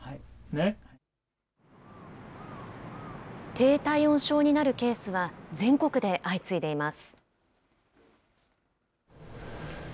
低体温症になるケースは全国で相次いでいます。